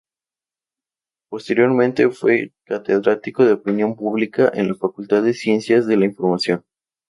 Posteriormente fue catedrático de Opinión Pública en la Facultad de Ciencias de la Información.